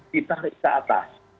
kita harus ke atas